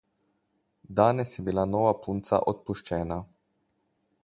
Danes je bila nova punca odpuščena.